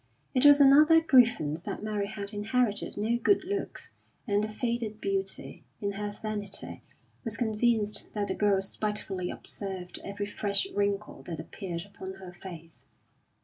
It was another grievance that Mary had inherited no good looks, and the faded beauty, in her vanity, was convinced that the girl spitefully observed every fresh wrinkle that appeared upon her face.